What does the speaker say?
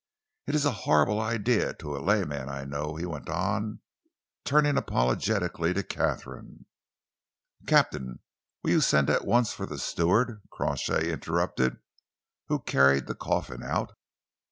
It's a horrible idea to a layman, I know," he went on, turning apologetically to Katharine, "Captain, will you send at once for the steward," Crawshay interrupted, "who carried the coffin out?"